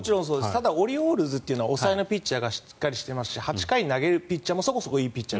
ただ、オリオールズというのは抑えのピッチャーがしっかりしていまして８回投げられるピッチャーもそこそこいます。